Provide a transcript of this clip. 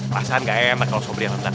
perasaan gak enak kalau sobriya rendah